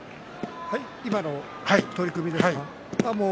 今の取組ですか？